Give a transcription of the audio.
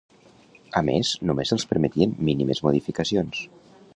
A més, només se'ls permetien mínimes modificacions.